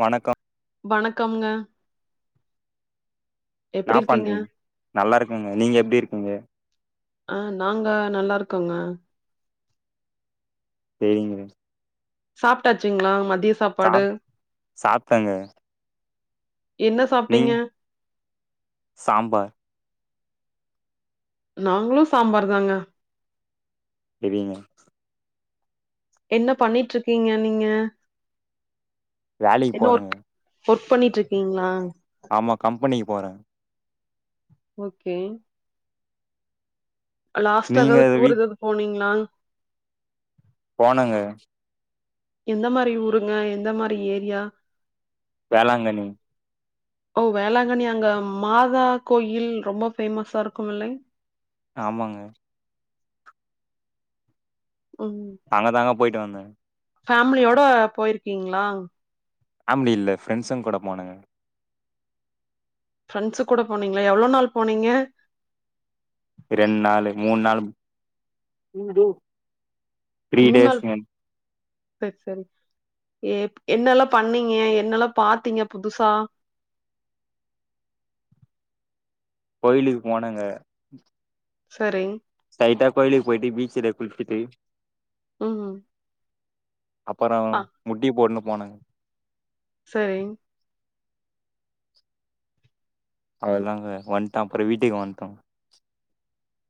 வணக்க வணக்கம்ங்க ன்னா எப்டி இருக்கீங்க? பண்றீங் நல்லாருக்கங்க நீங்க எப்டி இருக்கீங்க ஆ நாங்க நல்லாருக்கோங்க செரிங்க சாப்ட்டாச்சுங்ளா மத் சாப் சாப்ட்டங்க என்ன சாப்ட்டிங்க நீங்க சாம்பார் நாங்ளு சாம்பார் தாங்க செரிங்க என்ன பண்ணிட்ருக்கீங்க நீங்க வேலைக் என்ன போறங்க ஒர்க் ஒர்க் பண்ணிட்ருக்கீங்ளா ஆமா கம்பெனிகு போறே ஓகே லாஸ்ட்டா நீங்க எதாவது வீ டூர் எதாது போனீங்ளா போனங்க எந்த மாரி ஊருங்க எந்த மாரி ஏரியா வேளாங்கணி ஓ வேளாங்கண்ணி அங்க மாதா கோயில் ரொம்ப ஃபேமஸாருக்குமில்லைங் ஆமாங்க ம். அங்க தாங்க போய்ட்டு வந்தே ஃபேமிலியோட போயிருக்கீங்ளாங் பேம்லி இல்ல ஃப்ரெண்ட்ஸுங் கூட போனங்க ஃப்ரெண்ட்ஸு கூட போனீங்ளா எவ்ளோ நாள் போனீங்க ரெண் நாளு மூன் நாளு த்ரீ டேஸ்ங்க சர் சரி ஏப் என்னல்லா பண்ணீங்க என்னெல்லா பாத்தீங்க புதுசா கோயிலுக்கு போனங்க சரி ஸ்டைட்டா கோயிலுக்கு போயிட்டு பீச்சுல குளிச்சிட்டு ம் ம் அப்பற முட்டி போட்னு போனங்க சரிங் அவள்தாங்க வன்ட்டே அப்புற வீட்டுக்கு வன்ட்டோ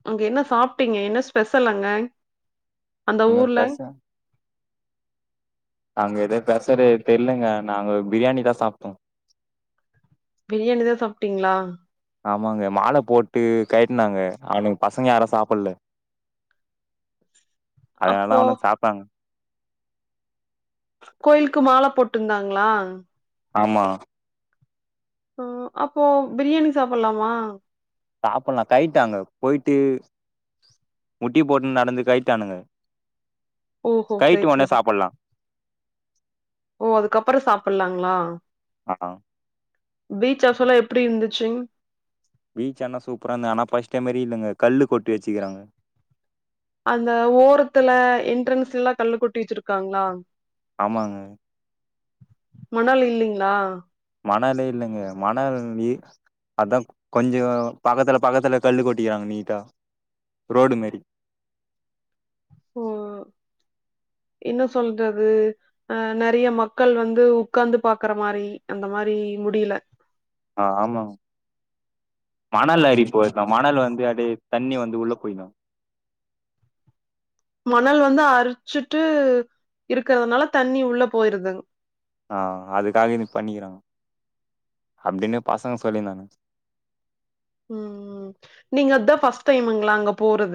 அங்க என்ன சாப்ட்டீங்க என்ன ஸ்பெஷல் அங்க அந்த எங்க ஊர்ல பச அங்க எதோ பெசலு தெர்லங்க நாங்க பிரியாணி தா சாப்ட்டோ பிரியாணி தா சாப்ட்டீங்ளா ஆமாங்க மால போட்டு கயட்னாங்க அவனுங் பசங்க யாரு சாப்பில்ல அப்போ அதனாலதா அவனுங் சாப்ட்டாங்க கோயில்கு மால போட்டுந்தாங்களா ஆமா ஆ அப்போ பிரியாணி சாப்புல்லாமா சாப்பல்லா கைட்டாங்க போயிட்டு முட்டி போட்டுன் நடந்து கயிட்டானுங்க ஓஹோ கயிட்டு செர் ஒடனே செரி சாப்பல்லா ஓ அதுக்கப்பறோ சாப்பில்லாங் உலா ஆ பீச் ஹவுஸ்லா எப்டி இர்ந்துச்சு பீச் ஆனா சூப்பராந்து ஆனா பஸ்டைம் மாரி இல்லங்க கல்லு கொட்டி வச்சுக்கிறாங்க அந்த ஓரத்துல என்ட்ரன்ஸ்ல்லா கல்ல கொட்டி வச்சிருக்காங்களா ஆமாங்க மணல் இல்லிங்ளா மணலே இல்லங்க மணல் எ அதா கொஞ்சோ பக்கத்துல பக்கத்துல கல்லு கொட்டிகாங்க நீட்டா ரோடு மேரி ஓ என்ன சொல்றது அ நெறய மக்கள் வந்து உக்காந்து பாக்குற மாரி அந்த மாரி இ முடியில ஆ ஆமாங் மணலரி போயிருக்கூ மணலு வந்து அப்டியே தண்ணி வந்து உள்ள போயினூ மணல் வந்து அரிச்சுட்டு இருக்கறதுனால தண்ணி உள்ள போயிருதுங் ஆ அதுக்காக இன்னிக் பண்ணிகிறாங் அப்டினு பசங்க சொல்லிந்தாங்க ம் ம் நீங்க இத்தா ஃபஸ்ட் டைமுங்ளா அங்க போறத்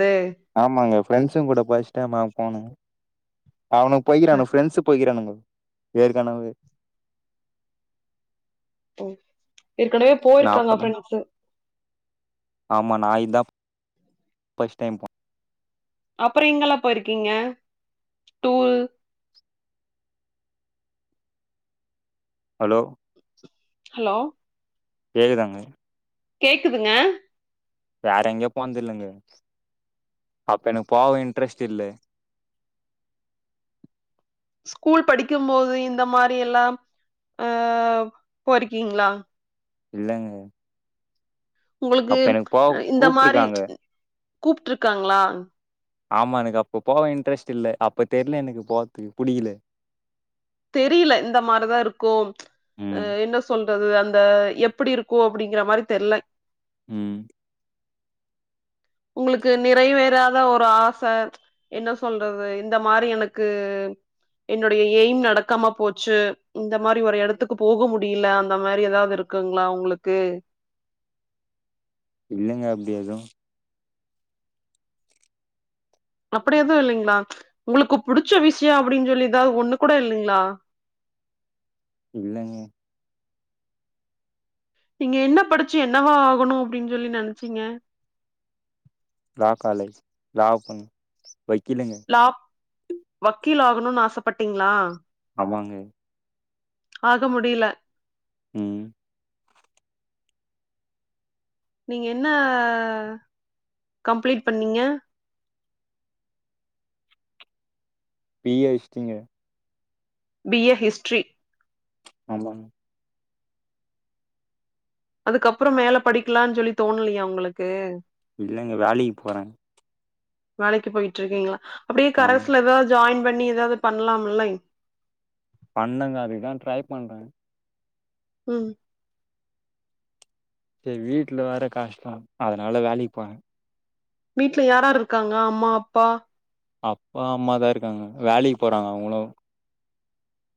ஆமாங்க ஃப்ரெண்ட்ஸுங் கூட ஃபஸ்ட் டைமா போனேங் அவனு போய்கிறானு ஃப்ரெண்ட்ஸு போய்கிறானுங்க ஏற்கனவே ம் ஏற்கனவே நா போயிருக்காங்க அப்பதா ஃப்ரெண்ட்ஸு ஆமா நா இத்தா பஸ்ட் டைம் போ அப்ற எங்கெல்லா போயிருக்கீங்க டூர் ஹலோ ஹலோ கேக்குதாங்க கேக்குதுங்க வேறெங்கயோ போன்து இல்லங்க அப்ப எனக்கு போவே இன்ட்ரெஸ்ட் இல்லே ஸ்கூல் படிக்கும் போது இந்த மாரி எல்லாம் அ போய்ரிக்கீங்களா இல்லங்க உங்களுக்கு அப்ப எனக்கு போவ இந்த மாரி கூப்ட்ருக்காங்க ப கூப்ட்ருக்காங்ளா ஆமா எனக்கு அப்ப போவ இன்ட்ரெஸ்ட் இல்ல அப்ப தெர்ல எனக்கு போற்துக்கு புடிகல தெரியில இந்த மாரிதா இருக்கும் அ ம் என்ன சொல் றது அந்த எப்படிருக்கூ அப்டிங்கிற மாரி தெர்ல ம் உங்களுக்கு நிறைவேறாத ஒரு ஆச என்ன சொல்றது இந்த மாரி எனக்கு என்னுடைய எய்ம் நடக்காம போச்சு இந்த மாரி ஒரு இடத்துக் கு போக முடியல அந்த மாரி ஏதாவது இருக்குங்ளா உங்களுக்கு இல்லங்க அப்டி எது அப்டி எதுவு இல்லிங்ளா ச் உங்களுக்கு புடிச்ச விஷய அப்படினு சொல்லி ஏதாவது ஒண்ணு கூட இல்லிங்ளா இல்லங்க நீங்க என்ன படிச்சு என்னவா ஆகணு அப்டின்னு சொல்லி நினச்சீங்க லா காலேஜ் லா‌ பண் வக்கீலுங்க கீழ் ஆகணுனு ஆசபட்டீங்ளா ஆமாங்க அது முடில ம் நீங்க என்ன கம்ப்ளீட் பண்ணீங்க பி ஏ ஹிஸ்ட்ரீங்க பிஏ ஹிஸ்ட்ரி ஆமாங்க அதுக்கப்புற மேல படிக்கலானு சொல்லி தோணலியா உங்களுக்கு இல்லங்க வேலைக்கு போறே வேலைக்கு போயிட்டு இருக்கீங்களா அப்டியே ஆமா கரஸ்ல ஏதாவது ஜாயிண் பண்ணி ஏதாவது பண்ணலாம் லைங் பண்ணங்க அதுக்குதா ட்ரை பண்றே ம் சே வீட்ல வேற கஷ்ட அதனால வேலைக்கு போறே வீட்ல யாராரு இருக்காங்க அம்மா அப்பா அப்பா அம்மாதா இருக்காங்க வேலைக்கு போறாங்க அவுங்களு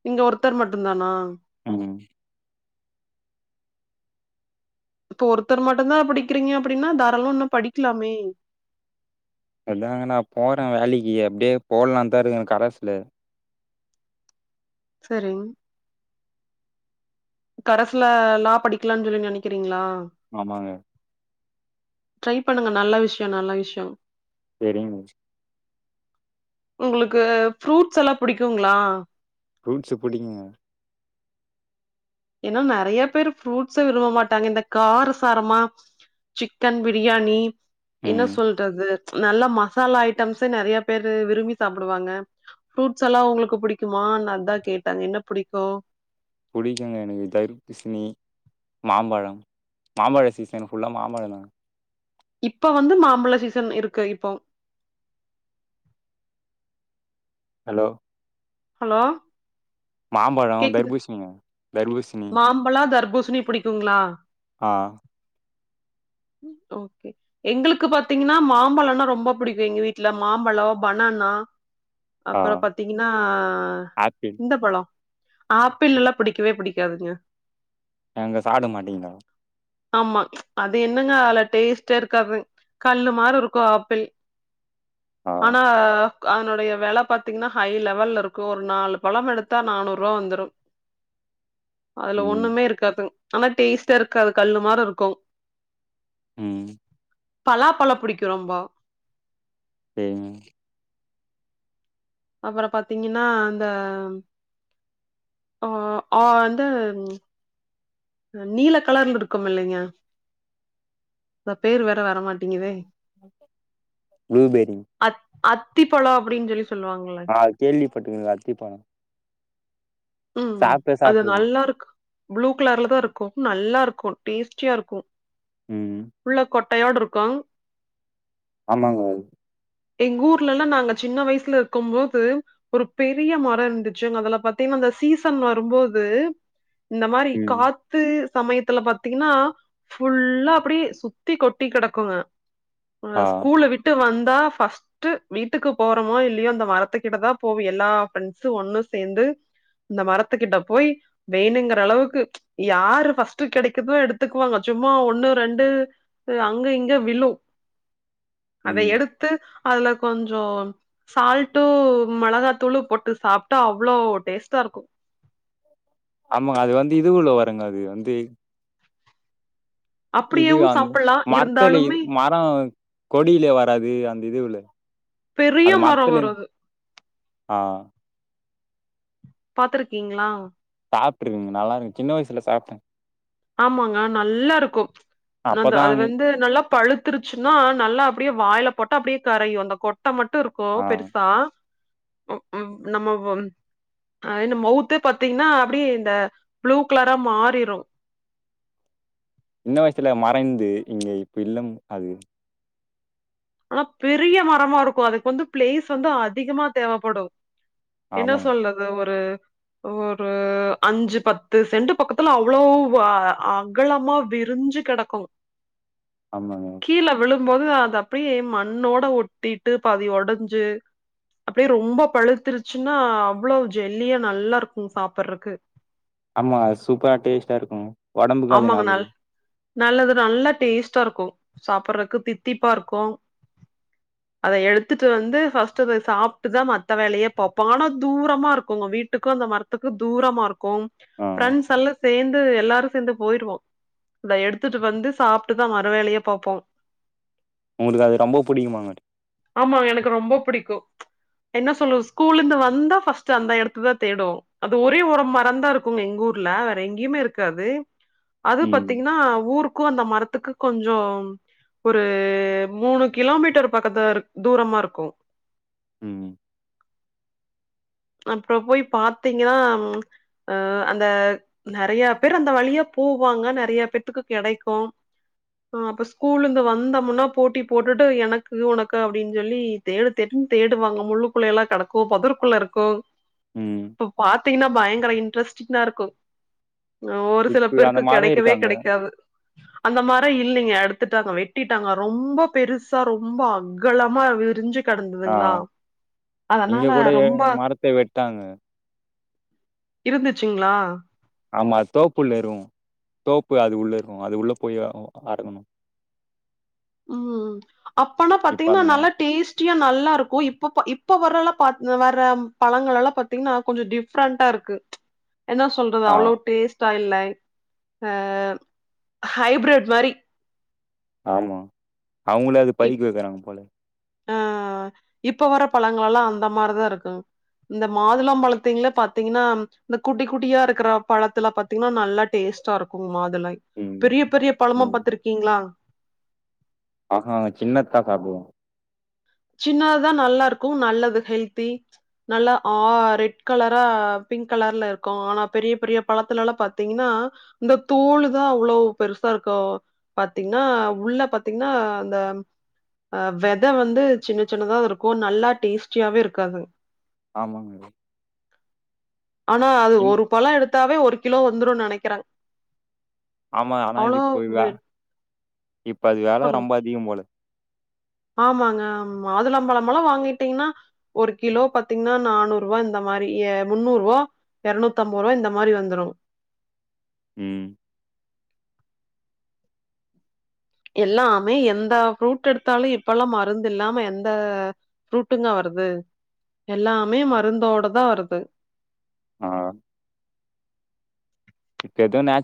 நீங்க ஒருத்தர் மட்டுந்தானா ஆமாங் இப்ப ஒருத்தரு மட்டுந்தா படிக்கிறீங்க அப்டினா தாராளம் இன்னு படிக்லாமே அதாங்க நா போறே வேலைக்கி அப்டியே போடலா தா இருக்கே கரஸ்ல சரிங் கரசுல லா படிக்லானு சொல்லி நினக்கிறீங்ளா ஆமாங்க ட்ரை பண்ணுங்க நல்ல விஷய நல்ல விஷய சேரிங் உங்களுக்கு ஃப்ரூட்ஸ் எல்லா புடிக்குங்ளா ஃப்ரூட்ஸு புடிங்குங்க ஏனா நெறய பேரு ஃபுரூட்சு விரும்ப மாட்டாங்க இந்த கார சாரமா சிக்கன் பிரியாணி என்ன ம் சொல்றது நல்லா மசாலா ஐட்டம்சு நெறய பேரு விரும்பி சாப்டுவாங்க ஃபுரூட்ஸ் எல்லா உங்களுக்கு புடிக்குமானு அதா கேட்டேங் என்ன புடிக்கு புடிக்குங்க எனக்கு தர்பூசணி மாம்பழம் மாம்பழ சீசன் ஃபுல்லா மாம்பழந்தா இப்ப வந்து மாம்பழ சீசன் இருக்கு இப்போ ஹலோ ஹலோ மாம்பழோ கேக்குது தர்பூசணிங்க தர்பூசணி மாம்பழ தர்பூசணி புடிக்குங்ளா ஆ ஓகே எங்களுக்கு பாத்தீங்கனா மாம்பழனா ரொம்ப புடிக்கு எங்க வீட்ல மாம்பழ பனா னா ஆ அப்புற பாத்தீங்னா ஆப்பிள் இந்த பழ ஆப்பிள்லெல்லா புடிக்கவே புடிக்காதுங்க ஏங்க சாப்ட மாட்டீங்ளா ஆமா அது என்னங்க அதல டேஸ்டே இருக்காது கல்லு மாரி இருக்கு ஆப்பிள் ஆ ஆனா அதனுடைய வெல பாத்தீங்ன்னா ஹை லெவல்லருக்கு ஒரு நாலு பழமெடுத்தா நானூறு ரூவா வந்துரு அதுல ம் ஒண்ணுமே இருக்காதுங் ஆனா டேஸ்ட்டாருக்காது கல்லு மாரி இருக்கு ம் பலா பழோ புடிக்கியு ரொம்போ என் அப்புறோ பாத்தீங்ன்னா அந்த ஆ ஆ அந்து நீல கலர்ல இருக்குமில்லைங்க அ பேரு வேற வர மாட்டேங்குதே ப்ளூப்பெரி அத் அத்திப்பழோ அப்டின்னு சொல்லி சொ ஆ கேள்விப்பட்ருங்கேங்க அத்திப்பழோ ம் அது நல்லாருக்கு ப்ளூ கலர்ல தா இருக்கு நல்லாருக்கு க்கோ டேஸ்டியாருக்கு ம் கையோடு இருக்கு ஆமாங்க எங்க ஊர்லல்லா நாங்க சின்ன வயசுல இருக்கும் போது ஒரு பெரிய மரோ இருந்துச்சு அதல பாத்தீங்ன்னா அந்த சீசன் வரும்போது இந்த மாரி ம் காத்து சமயத்துல பாத்தீங்கன்னா ஃபுல்லா அப்புடியே சுத்தி கொட்டி கெடக்குங்க ல்ல ஆ ஸ்கூல்ல விட்டு வந் தா ஃபஸ்ட்டு வீட்டுக்கு போறோமோ இல்லையோ அந்த மரத்துக்கிட்ட தா போவு எல்லா ஃபிரெண்ட்ஸு ஒன்னு சேந்து து இந்த மரத்துக்கிட்ட போய் வேணுங்கற அளவுக்கு யாரு ஃபர்ஸ்ட் கெடைக்கிதோ எடுத்துக்குவாங்க சும்மா சும்மா ஒண்ணு ரெண்டு அங்க இங்க விழு அத ம் எடுத்து அதுல கொஞ்சோ சால்ட்டு மெளகாத்தூள் போட்டு சாப்ட்டா அவ்ளோ டேஸ்ட் த இருக்கோ ஆமாங்க அது வந்து இதுவுல வருங்க அது வந்து இது அப்டியேவு அந்த சாப்பல்லா மரத்தல இ இருந்தாலுமே மரோ கொடியில வராது அந்த இதுவுல்ல பெரிய மரோ வரு அது ஆ பாத்துருக்கீங்ளா சாப்ட்டுருக்கங்க நல்லாருக்கு சின்ன வயசுல சாப்ட்டே ஆமாங்க நல்லாருக்கு அ அப்பதா அது வந்து நல்லா பழுத்துருச்சுன்னா நல்லா அப்டியே வாயில போட்ட அப்டியே கறையு அந்த கொட் ட மட்டு இருக்கு ஆ பெருசா ம் ம் நம்ம அ இந்த மௌவுத்தே பாத்தீங்ன்னா அப்டியே இந்த ப்ளூ கலரா மாறிரு சின்ன வயசுல மறைந்து இங்க இப்ப இல்லம் அது ஆனா பெரிய மரமாருக்கு அதுக்கு வந்து பிளேஸு வந்து அதிகமா தேவப்படு என்ன ஆமா சொல்றது ஒரு ஒரு அஞ்சு பத்து செண்டு பக்கத்துல அவ்ளோவு அ அகலமா வி விரிஞ்சு கெடக்கு ஆமாங்க இருக்கும் போது அத அப்டியே மண்ணோட ஒட்டிட்டு பாதி ஒடைஞ்சு அப்டியே ரொம்ப பழுத்துருச்சுன்னா அவ்ளோ ஜெல்லியா நல்லாருக்கு சாப்பறக்கு ஆமா சூப்பரா டேஸ்ட்டாருக்கு ஒடம்புகு அது ஆமாங்க நல்லது நல் நல்லது தா நல்லா டேஸ்டா இருக்கூ சாப்பறக்கு தித்திப்பா இருக்கூ அத எடுத்துட்டு வந்து ஃபர்ஸ்ட் அத சாப்ட்டுதான் மத்த வேலையே பாப்போம் ஆனா தூரமா இருக்குங்க வீட்டுக்கூ த மரத்துக்கு தூரமாருக்கும் ஆ ஃப்ரண்ட்ஸ் எல்லா சேந்து எல்லாரு சேந்து போயிருவோ இட எடுத்துட்டு வந்து சாப்ட்டுதா மறு வேலையே பாப்போ உங்களுக்கு அது ரொம்ப புடிக்குமாங்கட் ஆமா எனக்கு ரொம்ப புடிக்கூ என்ன சொல்றது ஸ்கூல்ல இருந்து வந்தா ஃபஸ்ட் அந்த ஏடத்த தா தேடு அது ஒரே ஒரு மரந்தா இருக்குங்க எங்கூர் ஊர்ல வேற எங்கையுமே இருக்காது அது ம். பத்தீங்ன்னா ஊருக்கூ அந்த மரத்துக்கு கொஞ்சம் ஒரு மூணு கிலோமீட்டர் பக்கத்து தூரமா இருக்கூ ம் அப்புறம் போய் பாத்தீங்கன்னா ம் அ அந்த நறையா பேர் அந்த வழியா பூவாங்க நறைய பேத்துக்கு கெடைக்கூ ஆ அப்ப ஸ்கூல்ல இருந்து வந்தோமுன்னா போட்டி போட்டுட்டு எனக்கு ஒனக்கு அப்டின் ஜொல்லி தேடு தேட்டு ம் தேடுவாங்க முள்ளுக்குள்ள எல்லா கெடக்கூ பொதர்க்குள்ள இருக் கோ ம். இப்ப பாத்தீங்கன்னா பயங்கர இன்ட்ரெஸ்ட்டிங்கா இருக்கூ ஒரு சில இப்ப அந்த பேர்க்கு மரம் கெடைக்கவே இருக்காங்க. கெடைக்காது அந்த மர இல்லைங்க அடுத்து த்துட்டாங்க வெட்டிட்டாங்க ரொம்ப பெருசா ரொம்ப அகலமா விரிஞ்சி ஆ கடந்துதுங்ளா அதனால ரொம்ப பே வெட்டாங்க இருந்துச்சுங்ளா ஆமா தோப்பு உள்ள இருகூ தோப்பு அது உள்ள இருகூ அது உள்ள போய் அரகணு ம் அப்பனா இப்ப பாத்தீங்கன்னா அந்த மா நல்லா டேஸ்ட் குட்டியா நல்லா இருக்கூ இப்போ பா இப்ப வரலா பா வர பழங்களல்லா பாத்தீங்ன்னா கொஞ்ச டிஃப்ரெண்டா இருக் க்கு என்ன சொல்றது ஆ அவ்ளோ டேஸ்ட் டா இல்லை அ ஹைபிரட் மாரி ஆமா அவுங்களே அது பைய்க இப் வைக்கறாங்க போல அ இப்ப வர பழங்களல்லா அந்த மாரிதா இருக்குங் இந்த மாதுளம் பழத்திங்ளே பாத்தீங்கன்னா இந்த குட்டி குட்டியா இருக்கிற பழத்துல பாத்தீங்ன்னா நல்லா டேஸ்ட் டாருக்கும் மாதுளை ம். பெரிய பெரிய பழமா ம். பாத்துருக்கீங்ளா ஆஹா சின்னத்தா சாப்டுவோ சின்னதுதா நல்லா இருக்கூ நல்லது ஹெல்தி நல்லா ஆ ரெட் கலரா பிங்க் கலர்ல இருக்கூ ஆனா பெரிய பெரிய பழத்துலல்லாம் பாத்தீங்கன்னா இந்த தோலு தா அவ்ளோவு பெருசா ருக்கூ பாத்தீங்ன்னா உள்ள பாத்தீங்ன்னா அந்த வெத வந்து சின்ன சின்னதா இருக்கூ நல்லா டேஸ்டியாவே இருக்காது ஆமாங்க ஆனா அது சின் ஒரு பழ எடுத்தாவே ஒரு கிலோ வந்துருன் நெனக்கிறன் ஆமா ஆனா இதுப்ப வ இப்ப அது வெல சொல்லுங்க ரொம்ப அதிகம் போல ஆமாங்க ஆமா மாதுளம் பழமலா வாங்கிட்டீங்கன்னா ஒரு கிலோ பாத்தீங்ன்னா நானூறு ரூவா இந்த மாரி மாரி எ முந்நூருவா எரநூத்தம்பது ரூவா இந்த மாரி வந்துரு ம் எல்லாமே எந்தா ஃப்ரூட் எடுத்தாலு இப்பல்லா மருந்து இல்லாம எந்த ஃப்ரூட்டுங்க வரும் வருது எல்லாமே மருந்தோட தா வருது ஆ [unintelligible]